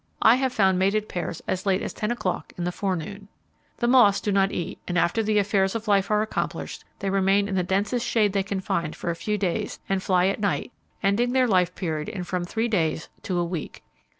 I have found mated pairs as late as ten o'clock in the forenoon. The moths do not eat, and after the affairs of life are accomplished, they remain in the densest shade they can find for a few days, and fly at night, ending their life period in from three days to a week.